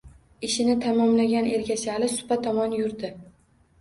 Ishini tamomlagan Ergashali supa tomon yurdi.